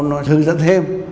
nó hướng dẫn thêm